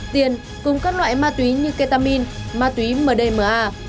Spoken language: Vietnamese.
tiền cùng các loại ma túy như ketamin ma túy mdma